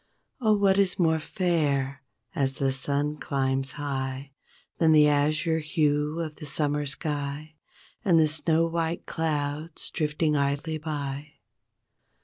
Oh what is more fair as the sun climbs high Than the azure hue of the summer sky And the snow white clouds drifting idly by?